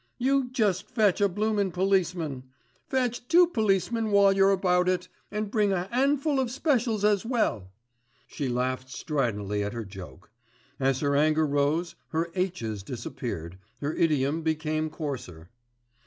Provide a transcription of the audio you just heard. You just fetch a bloomin' policeman. Fetch two policemen while you're about it, and bring a handful of specials as well." She laughed stridently at her joke. As her anger rose her aitches disappeared, her idiom became coarser.